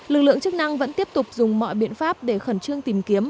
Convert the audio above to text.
lực lượng chức năng vẫn tiếp tục dùng mọi biện pháp để khẩn trương tìm kiếm